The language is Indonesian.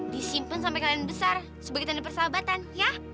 disimpan sampai kalian besar sebagai tenda persahabatan ya